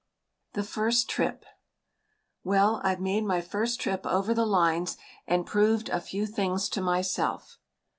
THE FIRST TRIP Well, I've made my first trip over the lines and proved a few things to myself.